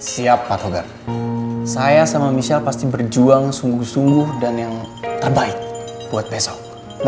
siap pak togar saya sama michelle pasti berjuang sungguh sungguh dan yang terbaik buat besok